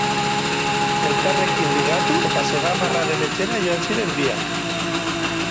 Elkarrekin ligatu eta zegamarraren etxera joan ziren biak.